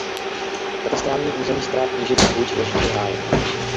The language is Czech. V katastrálním území Stará Knížecí Huť leží i Háje.